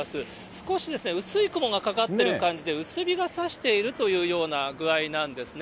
少しですね、薄い雲がかかってる感じで、薄日がさしているというような具合なんですね。